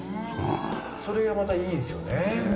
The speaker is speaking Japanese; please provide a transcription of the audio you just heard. それがまたいいんですよね。